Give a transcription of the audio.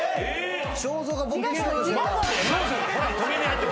えっ！？